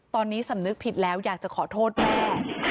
ตอนนี้สำนึกผิดแล้วอยากจะขอโทษแม่